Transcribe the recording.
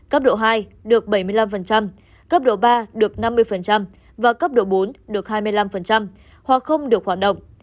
cấp độ hai được bảy mươi năm cấp độ ba được năm mươi và cấp độ bốn được hai mươi năm hoặc không được hoạt động